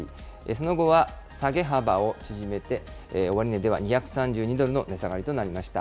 その後は下げ幅を縮めて、終値では２３２ドルの値下がりとなりました。